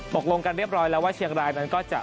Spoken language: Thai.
ตกลงกันเรียบร้อยแล้วว่าเชียงรายนั้นก็จะ